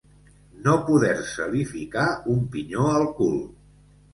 No poder-se-li ficar un pinyó al cul.